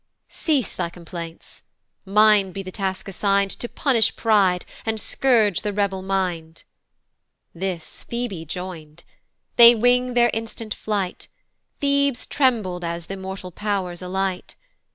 "Cease thy complaints, mine be the task assign'd "To punish pride, and scourge the rebel mind." This Phoebe join'd. They wing their instant flight; Thebes trembled as th' immortal pow'rs alight.